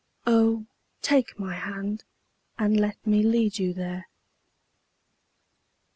Oh, take my hand and let me lead you there.